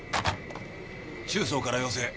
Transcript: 中操から要請。